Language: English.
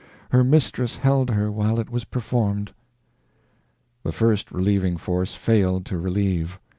Her mistress held her while it was performed." The first relieving force failed to relieve.